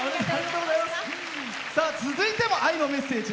続いても愛のメッセージ。